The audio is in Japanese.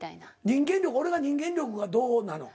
人間力俺が人間力がどうなの？